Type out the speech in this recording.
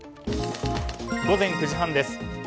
午前９時半です。